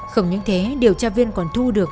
không những thế điều tra viên còn thu được